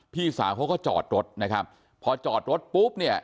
พี่สาวเขาก็จอดรถนะครับพอจอดรถปุ๊บเนี่ย